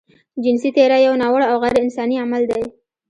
جنسي تېری يو ناوړه او غيرانساني عمل دی.